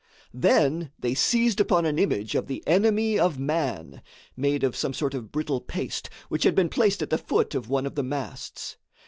Then they seized upon an image of the Enemy of Man made of some sort of brittle paste which had been placed at the foot of one of the masts.